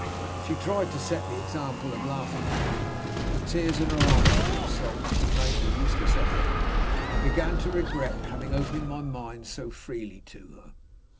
She tried to set the example of laughing at me with the tears in her eyes, poor soul! as she made the useless effort. I began to regret having opened my mind so freely to her.